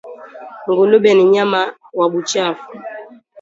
Ngulube ni nyama wa buchafu